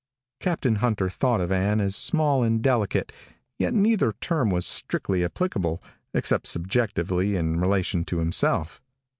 Captain Hunter thought of Ann as small and delicate, yet neither term was strictly applicable except subjectively in relation to himself.